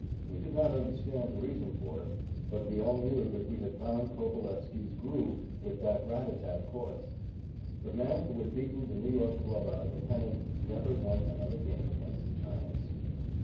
We did not understand the reason for it, but we all knew that we had found Coveleski's "groove" with that "rat a tat tat" chorus. The man who had beaten the New York club out of a pennant never won another game against the Giants.